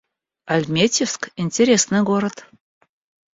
Альметьевск — интересный город